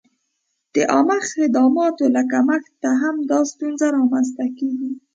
د عامه خدماتو له کمښته هم دا ستونزه را منځته کېږي.